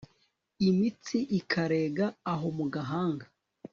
Imitsi ikarega aho mu gahanga